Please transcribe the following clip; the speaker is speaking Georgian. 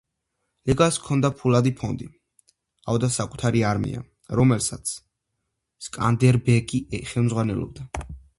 ლიგას ჰქონდა ფულადი ფონდი, ჰყავდა საკუთარი არმია, რომელსაც სკანდერბეგი ხელმძღვანელობდა.